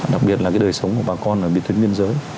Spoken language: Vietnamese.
đặc biệt là đời sống của bà con ở biệt tuyến biên giới